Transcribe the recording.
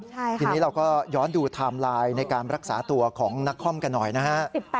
ทีนี้เราก็ย้อนดูไทม์ไลน์ในการรักษาตัวของนักคอมกันหน่อยนะฮะ